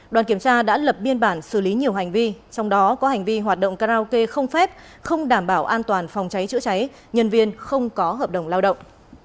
đoàn kiểm tra đã lập biên bản xử lý nhiều hành vi trong đó có hành vi hoạt động karaoke không phép không đảm bảo an toàn phòng cháy chữa cháy nhân viên không có hợp đồng lao động